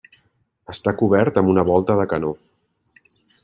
Està cobert amb volta de canó.